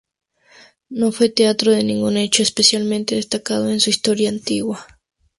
No fue teatro de ningún hecho especialmente destacado en su historia antigua.